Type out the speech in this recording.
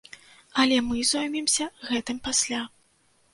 Але мы зоймемся гэтым пасля.